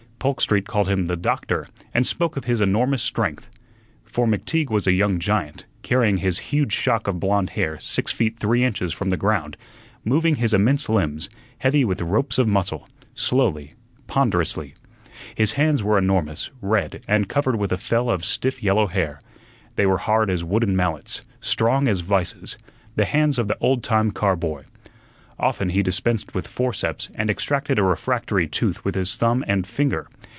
Polk Street called him the "Doctor" and spoke of his enormous strength. For McTeague was a young giant, carrying his huge shock of blond hair six feet three inches from the ground; moving his immense limbs, heavy with ropes of muscle, slowly, ponderously. His hands were enormous, red, and covered with a fell of stiff yellow hair; they were hard as wooden mallets, strong as vises, the hands of the old time car boy. Often he dispensed with forceps and extracted a refractory tooth with his thumb and finger.